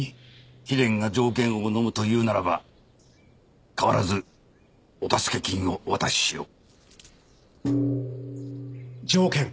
貴殿が条件をのむというならば変わらずお助け金をお渡ししよう条件？